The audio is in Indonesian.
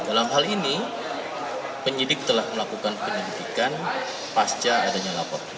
dalam hal ini penyidik telah melakukan penyelidikan pasca adanya lapor